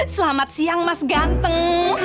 selamat siang mas ganteng